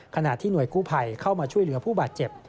ขณะที่หน่วยกู้ภัยเข้ามาช่วยเหลือผู้บาดเจ็บ